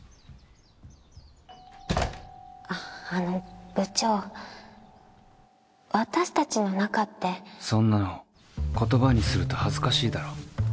あっあの部長私たちの仲ってそんなの言葉にすると恥ずかしいだろ。